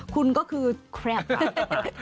คุณก็คือแคร่บค่ะ